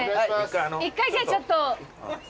一回じゃあちょっと。